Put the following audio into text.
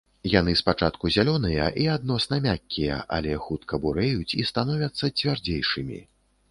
Яны спачатку зялёныя і адносна мяккія, але хутка бурэюць і становяцца цвярдзейшымі.